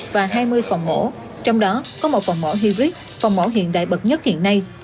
và hai mươi phòng mổ trong đó có một phòng mổ hybrid phòng mổ hiện đại bậc nhất hiện nay